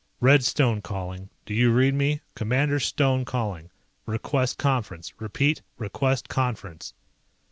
"Red Stone calling. Do you read me? Commander Stone calling. Request conference. Repeat, request conference."